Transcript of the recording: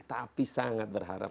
tapi sangat berharap